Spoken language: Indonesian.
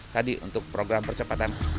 tadi untuk program percepatan